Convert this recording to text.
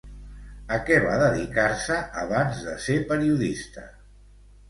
A què va dedicar-se abans de ser periodista?